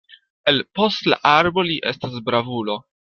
El post la arbo li estas bravulo.